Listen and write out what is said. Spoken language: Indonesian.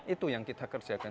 itu yang kita kerjakan